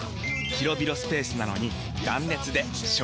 広々スペースなのに断熱で省エネ！